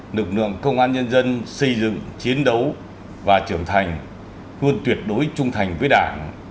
lực lượng công an nhân dân xây dựng chiến đấu và trưởng thành luôn tuyệt đối trung thành với đảng